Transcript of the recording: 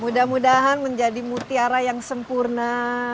mudah mudahan menjadi mutiara yang sempurna